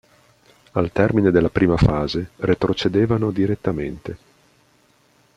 Al termine della prima fase retrocedevano direttamente.